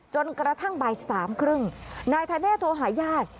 จนกระทั่งบ่ายสามครึ่งนายธเนธโทรหาญาติ